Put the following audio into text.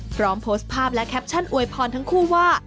พร้อมโพสต์ภาพและแคปชั่นอวยพรทั้งคู่ว่า